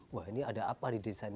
wah ini ada apa di desa ini